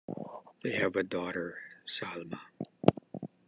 They have a daughter, Salma.